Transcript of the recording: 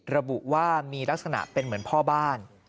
ระบุว่ามีลักษณะเป็นเหมือนพ่อบ้าน